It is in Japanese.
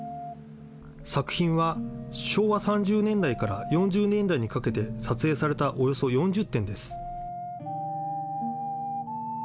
作品は昭和３０年代から４０年代にかけて撮影されたおよそ４０点です。